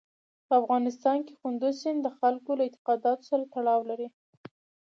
په افغانستان کې کندز سیند د خلکو له اعتقاداتو سره تړاو لري.